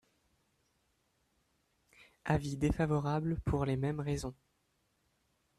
Avis défavorable pour les mêmes raisons.